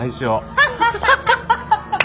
ハハハハ。